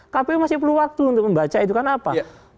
kpu masih perlu waktu untuk membaca itu kan apa